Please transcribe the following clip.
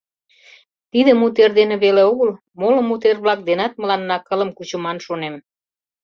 — Тиде мутер дене веле огыл, моло мутер-влак денат мыланна кылым кучыман шонем.